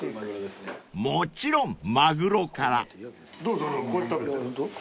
［もちろんマグロから］